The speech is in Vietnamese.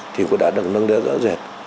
thì cũng đã được nâng đế rõ rệt